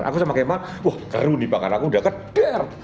aku sama kemal wah kerun dibakar aku udah keder